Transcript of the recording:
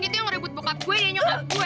itu yang ngerebut bokap gue dari nyokap gue